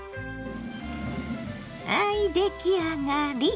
はい出来上がり！